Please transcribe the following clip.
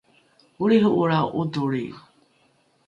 olriho’olrao ’odholri